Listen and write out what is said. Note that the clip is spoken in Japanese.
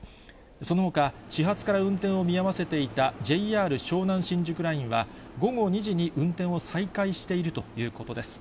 そのほか始発から運転を見合わせていたＪＲ湘南新宿ラインは、午後２時に運転を再開しているということです。